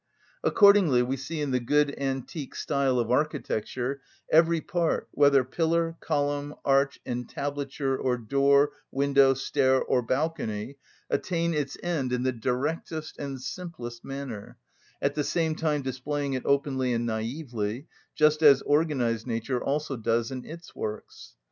Accordingly we see in the good antique style of architecture every part, whether pillar, column, arch, entablature, or door, window, stair, or balcony, attain its end in the directest and simplest manner, at the same time displaying it openly and naively; just as organised nature also does in its works.